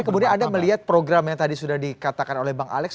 tapi kemudian anda melihat program yang tadi sudah dikatakan oleh bang alex